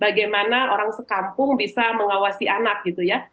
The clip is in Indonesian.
bagaimana orang sekampung bisa mengawasi anak gitu ya